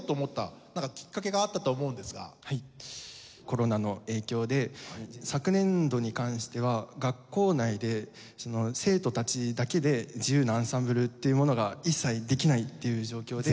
コロナの影響で昨年度に関しては学校内で生徒たちだけで自由なアンサンブルっていうものが一切できないっていう状況で。